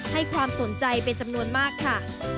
ให้ความสนใจเป็นจำนวนมากค่ะ